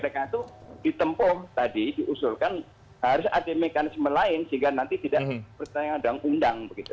karena itu ditempuh tadi diusulkan harus ada mekanisme lain sehingga nanti tidak percaya dengan undang begitu